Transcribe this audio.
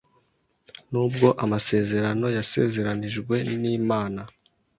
Nubwo amasezerano yasezeranijwe nimana